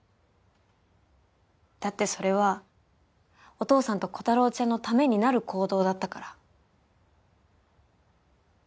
だってそれはお父さんとコタローちゃんのためになる行動だったから。